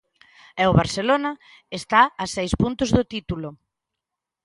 E o Barcelona está a seis puntos do título.